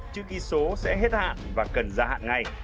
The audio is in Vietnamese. chữ ký số sẽ hết hạn và cần gia hạn ngay